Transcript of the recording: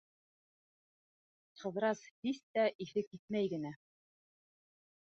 Ҡыҙырас һис тә иҫе китмәй генә: